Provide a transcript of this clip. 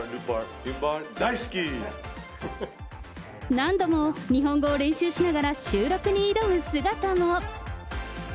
何度も日本語を練習しながら収録に挑む姿も。